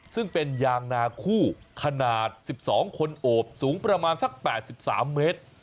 ซึ่งเป็นยางนาคู่ขนาด๑๒คนโอบสูงประมาณสัก๘๓เมตร